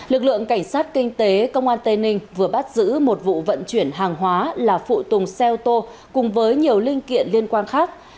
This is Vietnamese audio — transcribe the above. lực lượng cảnh sát kinh tế công an tây ninh vừa bắt giữ một vụ vận chuyển hàng hóa là phụ tùng xe ô tô cùng với nhiều linh kiện liên quan khác